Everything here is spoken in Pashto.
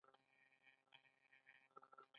ایا زه باید فریاد وکړم؟